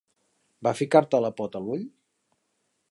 Va ficar-te la pota al ull?